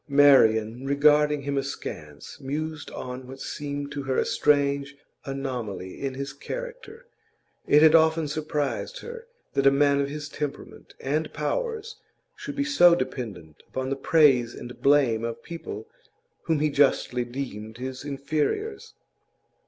Marian, regarding him askance, mused on what seemed to her a strange anomaly in his character; it had often surprised her that a man of his temperament and powers should be so dependent upon the praise and blame of people whom he justly deemed his inferiors.